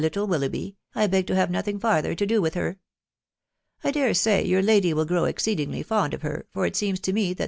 little Willoughby,. I beg to have nothing farther to do with her. I dare aav tjqux I«d.^ wQl^raw exceedingly fond of her, for it «eemvtoTO& ^aaX.